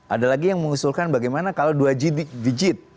ada lagi yang mengusulkan bagaimana kalau dua digit